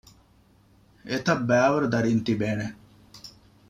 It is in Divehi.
އެތައްބައިވަރު ދަރީން ތިބޭނެ